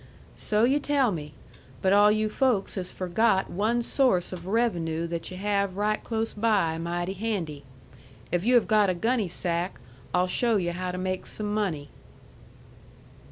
"So yu' tell me. But all you folks has forgot one source of revenue that yu' have right close by, mighty handy. If you have got a gunny sack, I'll show you how to make some money."